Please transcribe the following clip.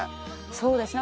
そうですね